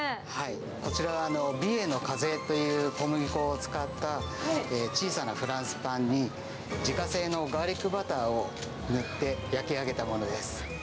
こちらは、美瑛の風という小麦粉を使った小さなフランスパンに、自家製のガーリックバターを塗って焼き上げたものです。